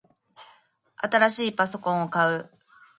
新しいパソコンを買う